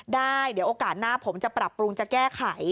ได้เดี๋ยวโอกาสหน้าผมจะปรับปรุงจะแก้ไข